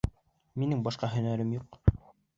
— Минең башҡа һөнәрем юҡ.